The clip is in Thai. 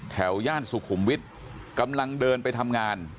ย่านสุขุมวิทย์กำลังเดินไปทำงาน